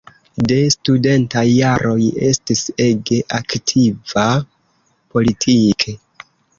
De studentaj jaroj estis ege aktiva politike.